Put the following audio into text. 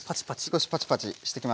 少しパチパチしてきます。